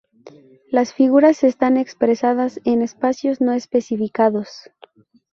Las figuras están expresadas en espacios no especificados.